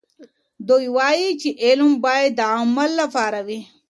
دوی وایي چې علم باید د عمل لپاره وي.